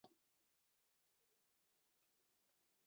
王稼祥还兼任中革军委总政治部主任。